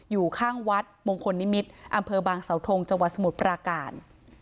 อยู่ข้างวัดมงคลนิมิตรอำเภอบางสาวทงจังหวัดสมุทรปราการ